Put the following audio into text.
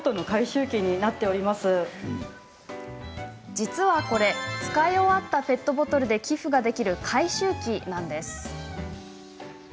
実はこれ使い終わったペットボトルで寄付ができる回収機なんです。